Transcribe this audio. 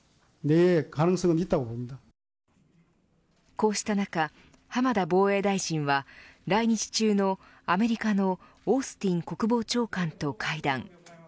こうした中、浜田防衛大臣は来日中のアメリカのオースティン国防長官と会談。